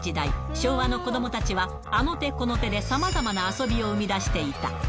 昭和の子どもたちは、あの手この手でさまざまな遊びを生み出していた。